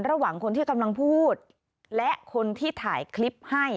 ระหว่างคนที่กำลังพูดและคนที่ถ่ายคลิปให้